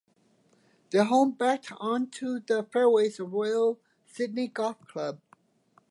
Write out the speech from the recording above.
Their home backed on to the fairways of Royal Sydney Golf Club.